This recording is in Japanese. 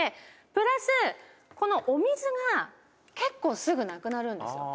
「プラスこのお水が結構すぐなくなるんですよ」